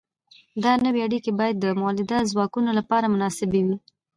دا نوې اړیکې باید د مؤلده ځواکونو لپاره مناسبې وي.